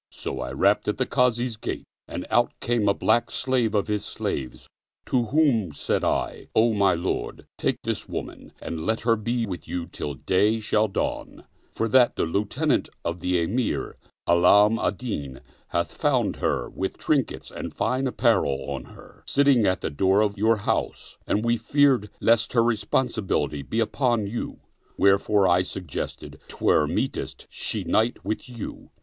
So I rapped at the Kazi's gate and out came a black slave of his slaves, to whom said I, " O my lord, take this woman and let her be with you till day shall dawn, for that the lieutenant of the Emir Alam al Din hath found her with trinkets and fine apparel on her, sitting at the door of your house, and we feared lest her responsi bility be upon you; wherefore I suggested 'twere meetest she night with you."